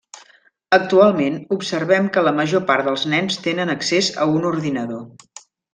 Actualment observem que la major part dels nens tenen accés a un ordinador.